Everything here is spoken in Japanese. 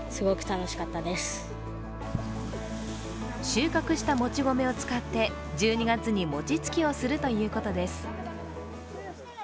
収穫したもち米を使って１２月に餅つきをするということです。